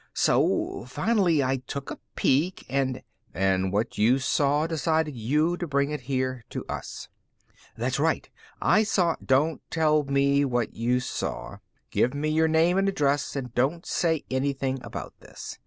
So finally I took a peek and " "And what you saw decided you to bring it here to us." "That's right. I saw " "Don't tell me what you saw. Give me your name and address and don't say anything about this.